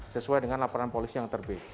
sesuai dengan laporan polisi yang terbit